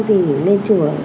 thì lên chùa